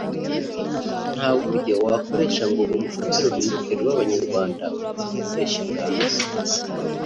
nta buryo wakoresha ngo urufate ruhinduke rube Abanyarwanda uretse gukoresha inganzo